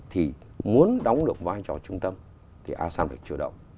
thì muốn đóng được vai trò trung tâm thì asean phải chủ động